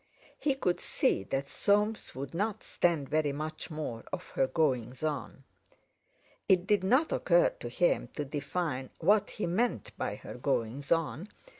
He could see that Soames wouldn't stand very much more of her goings on! It did not occur to him to define what he meant by her "goings on".